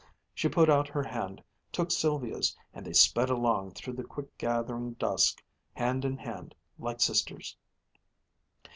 She put out her hand, took Sylvia's, and they sped along through the quick gathering dusk, hand in hand like sisters.